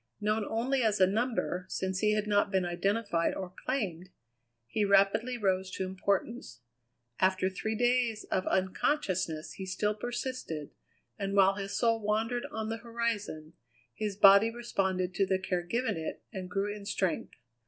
Known only as a number, since he had not been identified or claimed, he rapidly rose to importance. After three days of unconsciousness he still persisted, and while his soul wandered on the horizon, his body responded to the care given it and grew in strength.